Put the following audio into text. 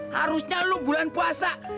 harusnya lu bulan puasa